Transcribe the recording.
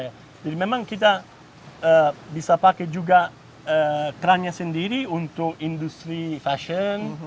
jadi memang kita bisa pakai juga kerangkangnya sendiri untuk industri fashion